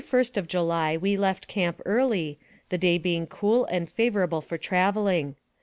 75 On the 21st of July we left camp early, the day being cool and favorable for traveling.